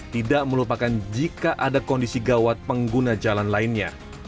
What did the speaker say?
tidak melupakan jika ada kondisi gawat pengguna jalan lainnya